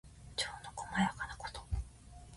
情のこまやかなこと。